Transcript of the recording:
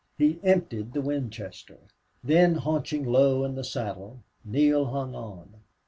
He emptied the Winchester. Then, hunching low in the saddle, Neale hung on.